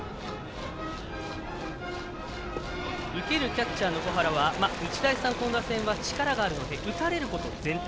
受けるキャッチャーの小原は、日大三高の打線は力があるので打たれること前提。